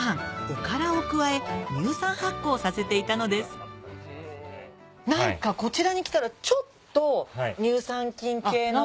おからを加え乳酸発酵させていたのです何かこちらに来たらちょっと乳酸菌系の。